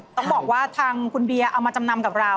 ต้องบอกว่าทางคุณเบียร์เอามาจำนำกับเรา